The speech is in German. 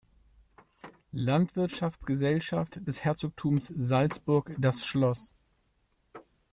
Landwirtschaftsgesellschaft des Herzogtums Salzburg das Schloss.